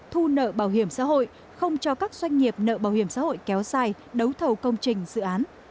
thu nợ bảo hiểm xã hội không cho các doanh nghiệp nợ bảo hiểm xã hội kéo dài đấu thầu công trình dự án